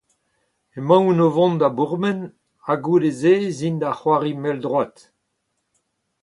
Emaon o vont da bourmen ha goude-se ez in da c'hoari mell-droad.